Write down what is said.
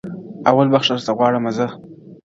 اول بخښنه درڅه غواړمه زه.